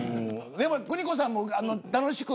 邦子さんも楽しく。